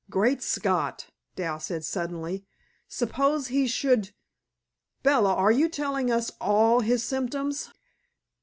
"Great Scott!" Dal said suddenly. "Suppose he should Bella, are you telling us ALL his symptoms?"